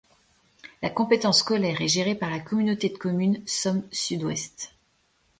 La compétence scolaire est gérée par la communauté de communes Somme Sud-Ouest.